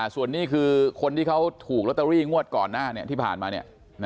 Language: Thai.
ส่วนนี้คือคนที่เขาถูกลอตเตอรี่งวดก่อนหน้าที่ผ่านมา